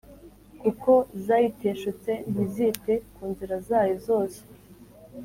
Kuko zayiteshutse Ntizite ku nzira zayo zose